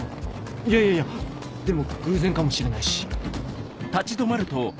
いやいやいやでも偶然かもしれないし